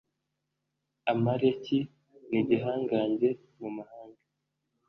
amaleki ni igihangange mu mahanga.